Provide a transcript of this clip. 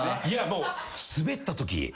いやもうスベったとき